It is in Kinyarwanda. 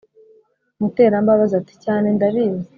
Muterambabazi ati"cyane ndabizi